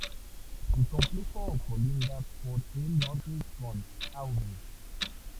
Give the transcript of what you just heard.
El complejo colinda por el norte con Av.